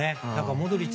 モドリッチ